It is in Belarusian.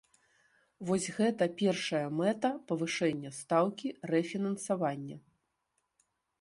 Вось гэта першая мэта павышэння стаўкі рэфінансавання.